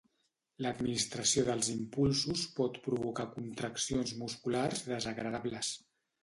L'administració dels impulsos pot provocar contraccions musculars desagradables.